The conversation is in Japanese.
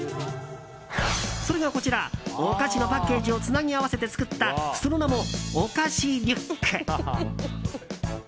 それがこちらお菓子のパッケージをつなぎ合わせて作ったその名も、お菓子リュック。